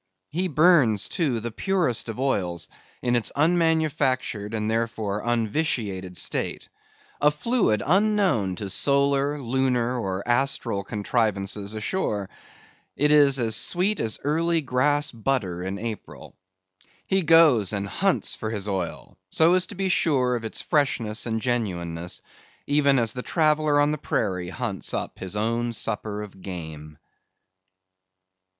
He burns, too, the purest of oil, in its unmanufactured, and, therefore, unvitiated state; a fluid unknown to solar, lunar, or astral contrivances ashore. It is sweet as early grass butter in April. He goes and hunts for his oil, so as to be sure of its freshness and genuineness, even as the traveller on the prairie hunts up his own supper of game.